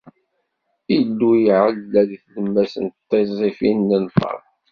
Illu iɛella di tlemmast n tiẓẓifin n lferḥ.